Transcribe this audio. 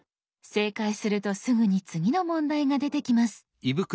正解するとすぐに次の問題が出てきます。